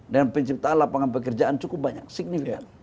dan penciptaan lapangan pekerjaan cukup banyak signifikan